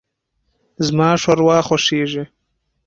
زما ښوروا خوښیږي.